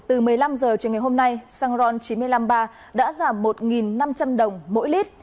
từ một mươi năm h chiều ngày hôm nay xăng ron chín trăm năm mươi ba đã giảm một năm trăm linh đồng mỗi lít